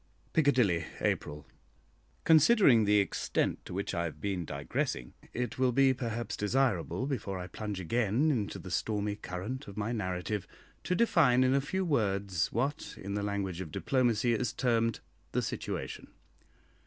PICCADILLY, April. Considering the extent to which I have been digressing, it will be perhaps desirable, before I plunge again into the stormy current of my narrative, to define in a few words what, in the language of diplomacy, is termed "the situation."